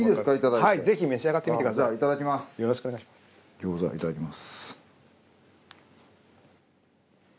餃子いただきます。